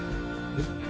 えっ。